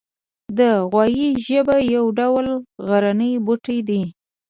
د غویي ژبه یو ډول غرنی بوټی دی